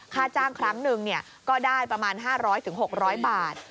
ค่าจ้างครั้งหนึ่งก็ได้ประมาณ๕๐๐๖๐๐บาท